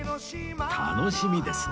楽しみですね